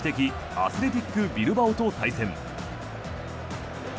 アスレティック・ビルバオと対戦。